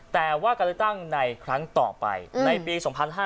แต่ว่าการเลือกตั้งในครั้งต่อไปในปี๒๕๕๙